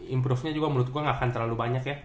improve nya juga menurut gue gak akan terlalu banyak ya